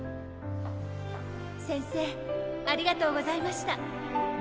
せんせいありがとうございました。